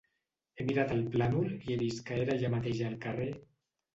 He mirat el plànol i he vist que era allà mateix el carrer...